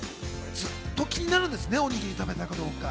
ずっと気になるんですね、おにぎり食べたかどうか。